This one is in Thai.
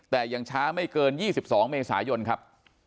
แต่ยังช้าไม่เกิน๒๒เมษายนครับ